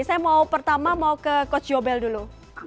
saya mau pertama mau ke coach yobel dulu